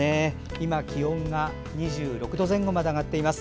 今、気温が２６度前後まで上がっています。